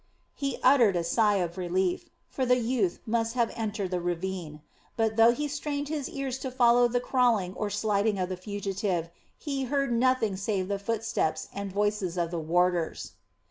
He uttered a sigh of relief; for the youth must have entered the ravine. But though he strained his ears to follow the crawling or sliding of the fugitive he heard nothing save the footsteps and voices of the warders.